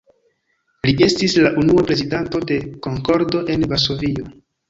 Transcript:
Li estis la unua prezidanto de „Konkordo“ en Varsovio.